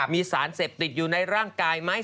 มีสารเสพติดอยู่ในร่างกายไหม